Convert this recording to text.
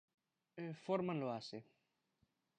Foreman lo hace.